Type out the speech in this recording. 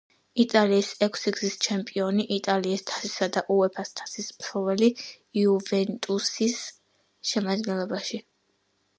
იტალიის ექვსგზის ჩემპიონი, იტალიის თასისა და უეფა-ს თასის მფლობელი „იუვენტუსის“ შემადგენლობაში.